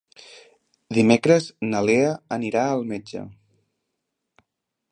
Dimecres na Lea anirà al metge.